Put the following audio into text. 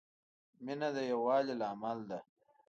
مینه د یووالي لامل ده.